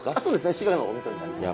滋賀のおみそになります。